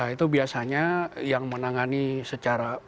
itu biasanya yang menangani secara